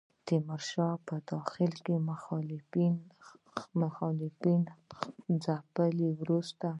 تیمورشاه په داخل کې مخالفینو ځپلو وروسته.